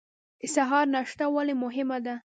د سهار ناشته ولې مهمه ده؟